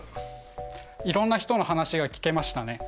いろんな人の話が聞けましたね。